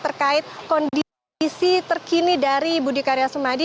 terkait kondisi terkini dari budi karya sumadi